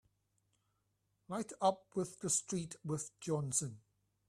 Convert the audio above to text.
Light up with the street with Johnson!